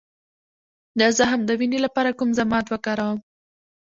د زخم د وینې لپاره کوم ضماد وکاروم؟